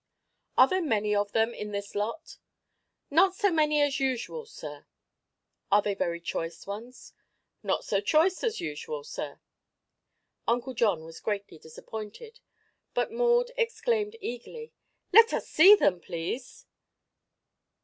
Are there many of them in this lot?" "Not so many as usual, sir." "Are they very choice ones?" "Not so choice as usual, sir." Uncle John was greatly disappointed, but Maud exclaimed eagerly: "Let us see them, please!"